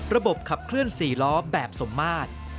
ระบบขับเคลื่อน๔ล้อแบบสมมาตร